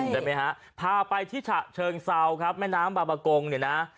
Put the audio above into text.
ได้ไหมฮะพาไปที่ฉะเชิงเซาครับแม่น้ำบาปกงเนี่ยนะ